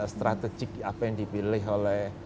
strategik apa yang dipilih oleh